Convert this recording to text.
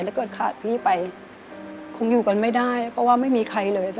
ถ้าเกิดขาดพี่ไปคงอยู่กันไม่ได้เพราะว่าไม่มีใครเลย